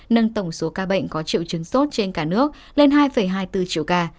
nâng tổng số ca bệnh có triệu chứng sốt trên cả nước lên hai hai mươi bốn triệu ca